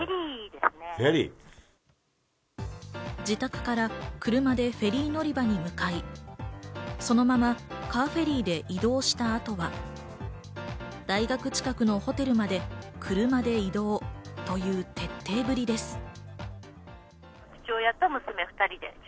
自宅から車でフェリー乗り場に向かい、そのままカーフェリーで移動した後は、大学近くのホテルまで車で移動という徹底ぶりです。